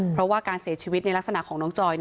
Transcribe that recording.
เพราะว่าการเสียชีวิตในลักษณะของน้องจอย